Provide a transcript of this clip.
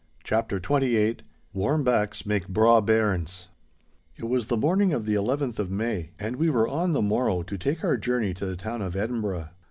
*CHAPTER XXVIII* *WARM BACKS MAKE BRAW BAIRNS* It was the morning of the 11th of May, and we were on the morrow to take our journey to the town of Edinburgh.